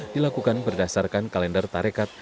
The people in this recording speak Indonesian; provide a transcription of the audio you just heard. dilakukan berdasarkan kalender tarekat